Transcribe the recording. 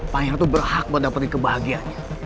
pangeran tuh berhak buat dapetin kebahagiaan